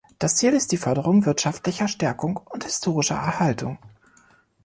Das Ziel ist die Förderung wirtschaftlicher Stärkung und historischer Erhaltung.